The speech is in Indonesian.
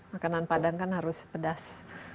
makanan padang kan harus pedas